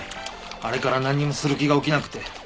あれから何もする気が起きなくて。